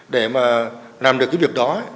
để mà làm được cái việc đó